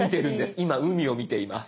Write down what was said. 今海を見ています。